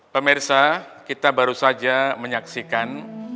pemirsa kita baru saja menyaksikan